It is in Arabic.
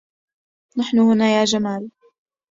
نحن هنا يا جمال.